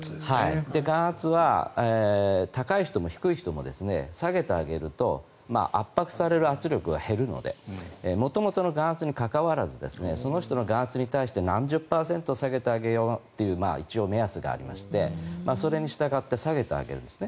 眼圧は高い人も低い人も下げてあげると圧迫される圧力が減るので元々の眼圧に関わらずその人の眼圧に対して何十パーセント下げてあげようという一応目安がありましてそれに従って下げてあげるんです。